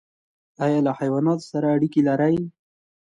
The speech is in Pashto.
ایا له حیواناتو سره اړیکه لرئ؟